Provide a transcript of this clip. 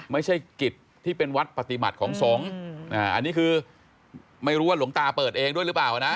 ไม่ใช่กิจที่เป็นวัดปฏิบัติของสงฆ์อันนี้คือไม่รู้ว่าหลวงตาเปิดเองด้วยหรือเปล่านะ